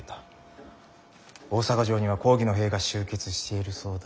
大坂城には公儀の兵が集結しているそうだ。